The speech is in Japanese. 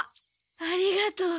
ありがとう。